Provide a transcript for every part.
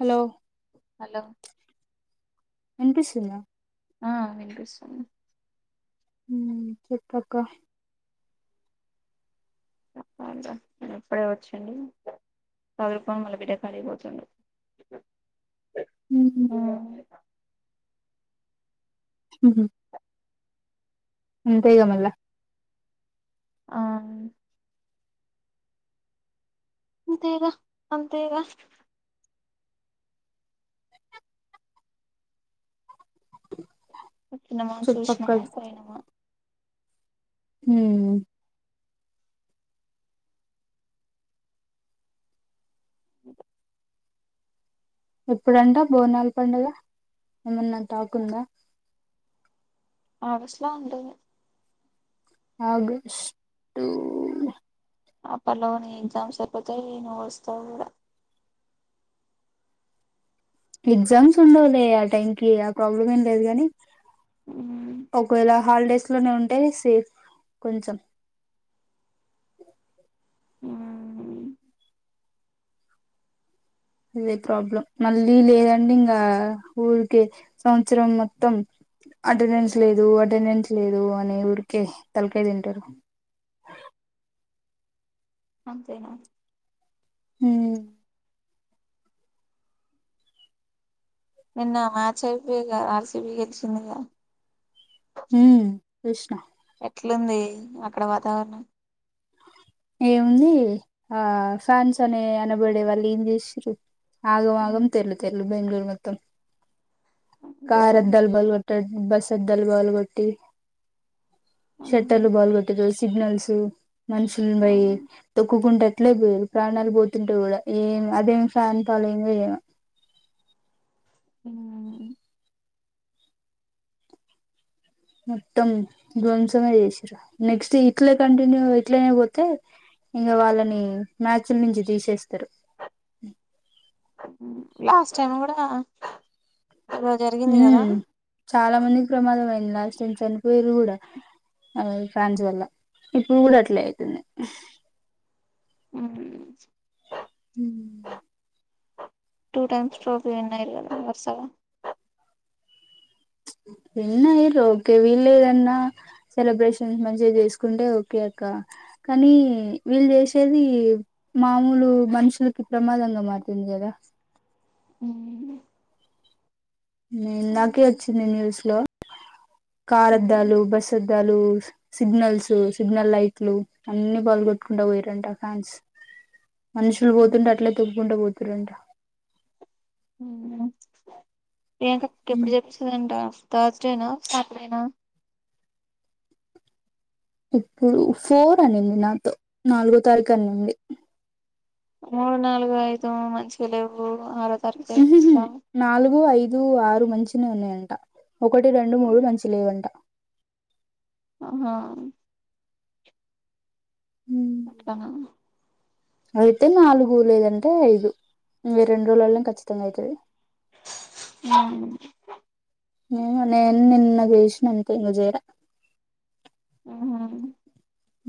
Hello hello వినిపిస్తుందా ఆ వినిపిస్తోంది హుం చెప్పు అక్క ఇంగ ఇప్పుడే వచ్చంది సదురుకొని మళ్ళ బిడ్డ కాడి పోతుండు. ఊహూ ఊహూ అంతేగా మళ్ళ ఆ అంతేగా అంతేగా వచ్చినమా చుట్టుపక్కల చూసినమా పోయినమా హ్మ్ ఎప్పుడంట బోనాల పండుగ ఏమన్నా టాక్ ఉందా ఆగస్టులో ఉంటుంది ఆగష్టు ఆ పలోనే ఎగ్జామ్స్ అయిపోతాయి నువ్వు వస్తావ్ కూడా ఎగ్జామ్స్ ఉండవులే ఆ టైం కి ఆ ప్రాబ్లం ఏం లేదు గాని మ్మ్ ఒకవేళ హాలిడేస్ లోనే ఉంటే సేఫ్ కొంచెం మ్మ్ అదే ప్రాబ్లం మళ్ళీ లేదండి ఇంకా ఊరికే సంవత్సరం మొత్తం అటెండెన్స్ లేదు అటెండెన్స్ లేదు అని ఊరికే తలకాయ్ తింటారు అంతేనా హ్మ్ నిన్న మ్యాచ్ అయిపోయిగా ఆర్ సి బి గెలిచిందిగా హ్మ్ చూసిన ట్లుంది అక్కడ వాతావరణం ఏముంది ఆ ఫ్యాన్స్ అనే అనబడే వాళ్ళు ఏం చేసిర్రు ఆగం ఆగం తెల్లు తెల్లు బెంగళూరు మొత్తం కార్ అంతేనా అద్దాలు బలగొట్టిలు బస్ అద్దాలు బల్గొట్టి మ్మ్ షట్టర్లు బాల్గొట్టిల్లు సిగ్నల్స్ మనుషులు పోయి తొక్కుకుంట అట్లే పోఇల్లు ప్రాణాలు పోతుంటే కూడా ఏమి అదేమి ఫ్యాన్ ఫాలోయింగో ఏమో ఉ మొత్తం ధ్వంసమే చేసారు నెక్స్ట్ ఇట్లే కంటిన్యూ ఇట్ల పోతే ఇంకా వాళ్ళని మ్యాచ్ల నుంచి తీసేస్తారు లాస్ట్ టై కూడా ఏదో హ జరిగింది కదా మ్ చాలా మందికి ప్రమాదం అయి లాస్ట్ టైం చనిపోయిర్రు కూడా ఫ్రాన్స్ వల్ల ఇప్పుడు కూడా అట్లే అవుతుంది ఉ హ టూ టైమ్స్ ట్రోఫీ వరుసగా విన్నయరు ఓకే వీళ్ళేదన్నా సెలబ్రేషన్స్ మంచిగా చేసుకుంటే ఓకే అక్క కానీ వీళ్ళు చేసేది మామూలు మనుషులకి ప్రమాదంగా మారుతుంది కదా హు ఇందాకే వచ్చింది న్యూస్ లో కార్ అద్దాలు బస్ అ అద్దాలు సిగ్నల్స్ సిగ్నల్ లైట్లు అన్ని పాల్గొట్టుకుండా పోయారంట ఫ్యాన్స్ మనుషులు పోతుంటే అట్లే తొప్పుకుంట పోతు రంట హ ప్రియాంక అక్క ఉమ్ ఎప్పుడు చెప్తుందంట తర్స్ డే నా సాటర్డేనా ఇప్పుడు ఫోర్ అనింది నాతో నాలుగో తారీఖు అనింది మూడు నాలుగు ఐదు మంచిగా లేవు ఆ మ్ హు హు నాలుగు ఐదు ఆరు మంచి గానే ఉన్నయంట ఒకటి రెండు మూడు మంచిగ లేవంట అ హా [unintelligible] అట్లనా అయితే నాలుగు లేదంటే ఐదు మీ రెండు రోజులల ఖచ్చితంగా అవుతది ఆ నిను నిన్న చేసిన అంతే ఇంగ చేయాలె అ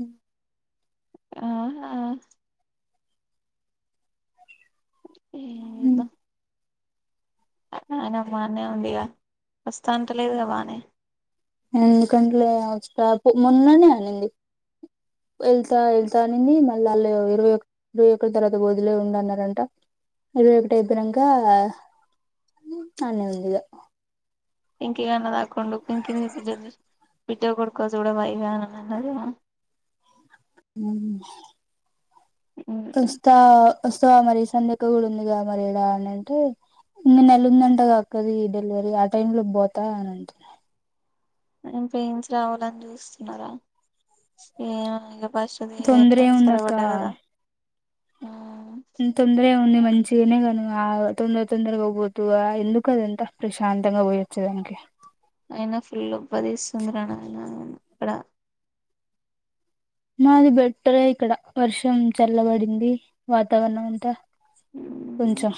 ఆ ఆ హు ఆయన బానే ఉందిగా వస్తా అంటలేదుగా బాగానే ఎందుకంటలే మొన్ననే అనింది వెళ్తా వెళ్తా అనింది మళ్ళీ వాళ్ళు ఇరవై ఒక ఇరవై ఒకటి తర్వాత వదిలే ఉండు అన్నారంట ఇరవై ఒకటి అయిపోయినాక అనే ఉంది ఇగ పింకిగా అన్నదిాకుండు పింకకిి ఫిడ్ో కొడుకో చూడవా ఇగా అని అన్నది హ చూస్తా వస్తావా మరి సంధ్యక్క కూడా ఉందిగా మరి ఇడా అని అంటే ఇంకా నెల ఉందంటా కాదా అక్కది డెలివరీ ఆ టైమ్ లో పోతా అని అంటున్నారు నం పెయిన్స్ రావాలని చూస్తున్నారా ఏమొ ఇంగ పస్టుది తొందర ఎట్లాయినా సరే ఏముందక్క పడ్డాకదా ఆహ్ ఉహ్ తొందరెం ఉంది మరి నుంచినే గను అగ్ తొందర తొందరగా బోతుగా ఎందుకు అదంత ప్రశాంతంగా పోయచ్చుదనికి అయినా ఫుల్ ఉబ్బ దిసుందిరనాయన అక్కడ మాది బెట్టరే ఇక్కడ వర్షం చల్లబడింది. వాతావరణం అంతా ఉమ్ కొంచెం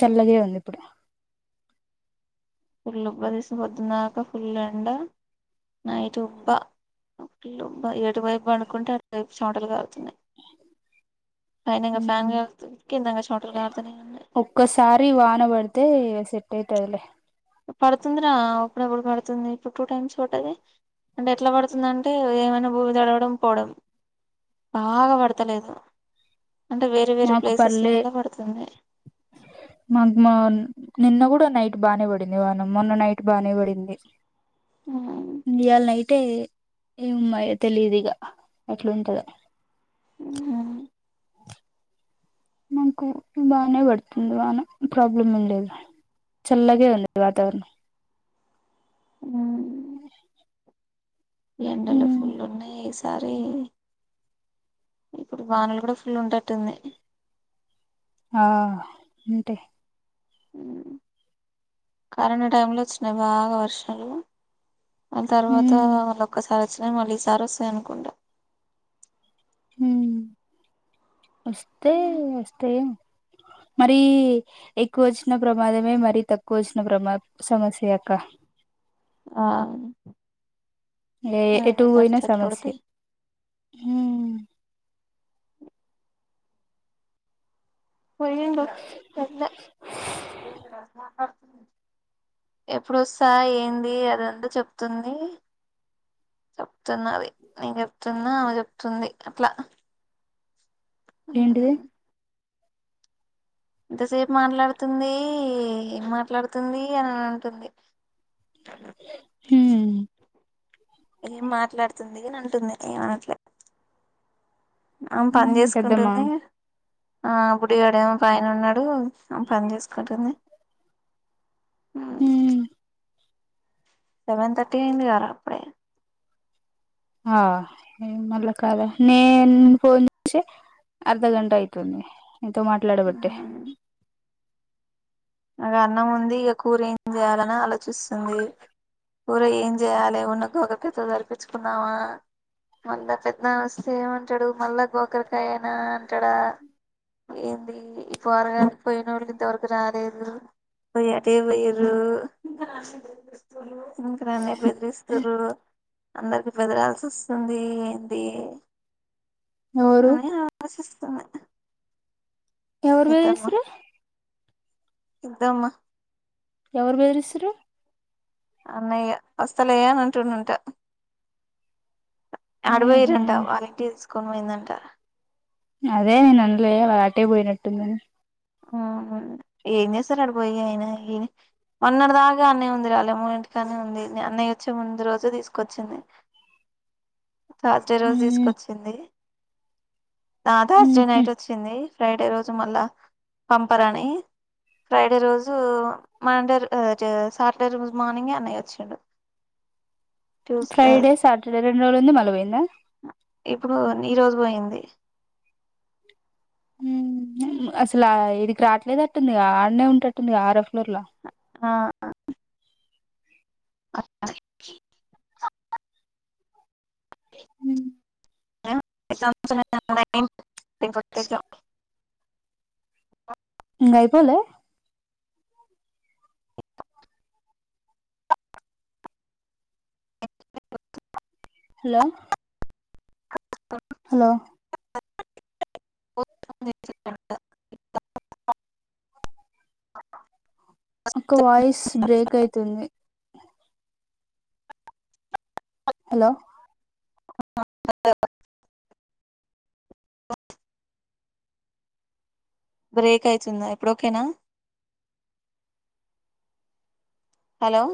చల్లగే ఉంది ఇప్పుడు. ఫుల్ ఉబ్బ తీసి పొద్దున్నాక. ఫుల్ ఎండ నైట్ ఉబ్బ ఫుల్ ఉబ్బ ఏటు వైపు పండుకుంటే, అటువైపు చెమటలు కార్ ఇంగ ఫ్యాన్ ఉహ్మ్ కారుతుంది కిందంగా చెమటలు కారుతూనే ఉన్నాయి ఒక్కసారి వానబడితే ఇగ సెట్ పోతదిలే పడుతుందిరా అప్పుడాప్పుడు పడుతుంది. ఇప్పుడు టూ టైమ్స్ పడ్డ. అంటే ఎట్లా పడుతుంది అంటే ఏమైనా భూమి జడవడం పోడం బాగా పడతలేదు. అంటే వేరే వేరే మాకు పర్లే ప్లేసెస్లలా పడుతుంది మా మా నిన్న కూడా డా నైట్ బాగానే పడింది. వానం మొన్న నైట్ బానే పడింది. ఉమ్ ఇయ్యాల నైట్ అంటే ఎమ్మాయ్ తెలిదిగా ఎట్లుంటదో ఉహ్ హు మాకు బానే పడుతుంది. వాన ప్రాబ్లం వుండదులే చల్లగే ఉంది వాతావరణం. ఉహ్మ్ ఉహే ఎండలు ఫుల్లు ఉన్నాయి. అస్ సారి ఇప్పుడు వానలు కూడా ఫుల్ ఉంటట్టుంది. ఆహ్ ఉంటై ఉహ్ కరోనా టైం లో వచ్చినాయి బాగా వర్షాలు ఆ తర్వాత ఉమ్ ఆళ్ళ ఒక్కసారి మాళ్ళీ ఈ సారోస్తాయి అనుకుండ ఉహ్మ్ వస్తే వస్తయేమో మరి ఎక్కువ వచ్చిన ప్రమాదమే మరి తక్కువ వచ్చిన ప్రమా సమస్యే అక్క ఆహ్ ఏ ఎటు పోయినా సమస్యే ఉహ్మ్ పోయ్యిండు. ఎప్పుడోస్తా ఏంది అదంతా చెప్తుంది చెప్తున్నది నేన్ చెప్తున్నా. అమ చెప్తుంది అట్లా ఏంటిది ఉహ్మ్ ఇంతసేపు మాట్లాడుతుంది. ఏం మాట్లాడుతుంది అని అ అంటుంది. ఉమ్ ఏం మాట్లాడుతుంది అని అంటుంది ఏమనట్లే అం పని ఉమ్ పెద్దమ్మా చేసుకుంటుంది. ఆహ్ బుడిగాడేమో పైన ఉన్నాడు. ఆమ్ పని చేసుకుంటుంది. ఆహ్ ఉమ్ సెవెన్ థర్టీ అయింది గర అప్పుడే నేను ఫోన్ చేసే అర్ధ గంట ఐతుంది నీతో మాట్లాడబట్టే ఇక అన్నం ఉంది ఇక కూర ఏం చేయాలని ఆలోచిస్తుంది కూర ఏం చేయాలి ఉన్న గోకరికాయతో సరిపిచ్చుకున్నామా మళ్ళా పెద్ద్నాన్నోస్తే ఏమంటాడు మళ్ళా గోకరికాయనా అంటాడా ఏంది ఈ పోరగానికి పోయినోళ్ళింతవరకు రాలేదు పొయ్ అటే పోయిర్రు ఉంకురానే బెదిరిస్తూరు అందరికి బెదరాల్సోస్తుంది ఏంది ఎవరు అని ఆలోచిస్తున్నా ఎవరు బెదిరిస్తుర్రు ఇద్దమ్మ ఎవరు బెదిరిస్తుర్రు అన్నయ్య వస్తలే అని అంటుండంట అడు ఆహా పోయిర్రంట వాళ్ళింటికి తీస్కో కొని పోయుందంట అదే నేను అన్లే వా ట్టే పోయినట్టుందని [inaudible] ఏం చేస్తారు అడి పోయి ఐనా ఈ మొన్నటి దాకా ఆడనే ఉంది రా వాళ్ళమ్మోళ్ళ ఇంటికాడనే ఉంది అన్నయ్య వచ్చే ముందు రోజు తీసుకొచ్చింది తర్స్ డే రోజు తీసుకొచ్చింది ఆ థర్స్ డే నైట్ వచ్చింది ఫ్రైడే రోజు మళ్ళా పంపరని ఫ్రైడే రోజు మండే రో సాటర్డే రోజు మార్నింగే అన్నయ్య వచ్చాడు ఫ్రైడే సాటర్డే రెండ్రోజులుంది మల్ల పోయిందా ఇప్పుడు ఈ రోజు పోయింది హ్మ్ అసలు ఇడికి రావట్లేదు అట్టుంది ఆడనే ఉంటట్టుంది గా ఆరోఫ్లోర్లో ఆ [inaudible] ఇంగయిపోలె హలో హలో [inaudible] అక్క వాయిస్ బ్రేక్ అయి తుంది హలో [inaudible] బ్రేక్ అయితుందా ఇప్పుడోకేనా హలో